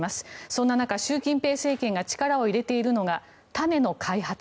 そんな中習近平政権が力を入れているのが種の開発。